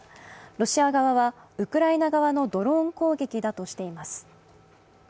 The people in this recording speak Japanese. ロシア側は、ウクライナ側のドローン攻撃だとしています。